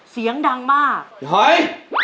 เสียงดังมากเฮ้ย